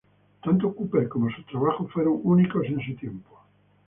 Tanto Cooper como sus trabajos fueron únicos en su tiempo.